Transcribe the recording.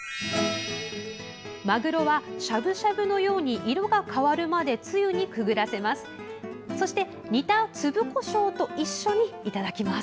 まぐろはしゃぶしゃぶのように色が変わるまでつゆにくぐらせます。